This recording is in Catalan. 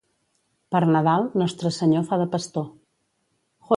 Per Nadal, Nostre Senyor fa de pastor.